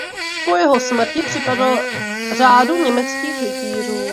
Po jeho smrti připadl řádu německých rytířů.